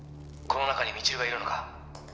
この中に未知留がいるのか？